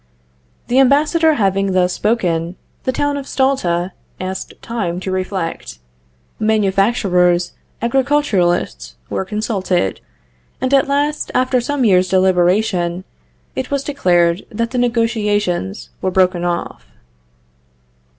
The ambassador having thus spoken, the town of Stulta asked time to reflect; manufacturers, agriculturists were consulted; and at last, after some years' deliberation, it was declared that the negotiations were broken off.